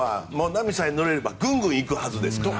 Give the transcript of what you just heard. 波にさえ乗れればぐんぐんいくはずですから。